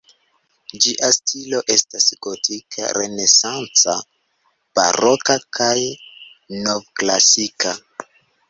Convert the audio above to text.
Ĝia stilo estas gotika, renesanca, baroka kaj novklasika.